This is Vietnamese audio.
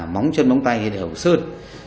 móng chân móng tay thì đều sơn